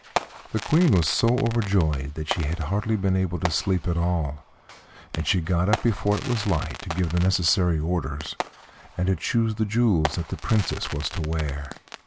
The Queen was so overjoyed that she had hardly been able to sleep at all, and she got up before it was light to give the necessary orders and to choose the jewels that the Princess was to wear.